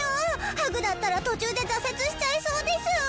ハグだったら途中で挫折しちゃいそうです！